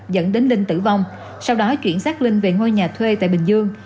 dẫn đến linh tử vong sau đó chuyển xác linh về ngôi nhà thuê tại bình dương